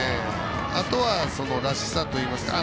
あとは、らしさといいますか。